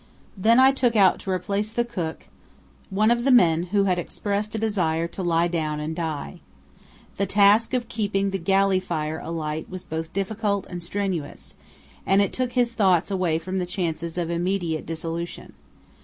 Then I took out to replace the cook one of the men who had expressed a desire to lie down and die. The task of keeping the galley fire alight was both difficult and strenuous, and it took his thoughts away from the chances of immediate dissolution.